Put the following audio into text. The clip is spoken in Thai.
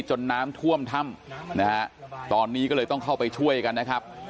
น้ำท่วมถ้ำนะฮะตอนนี้ก็เลยต้องเข้าไปช่วยกันนะครับ